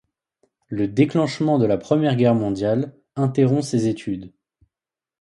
Le déclenchement de la Première Guerre mondiale interrompt ses études.